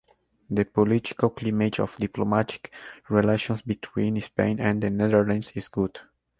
The political climate of diplomatic relations between Spain and the Netherlands is good.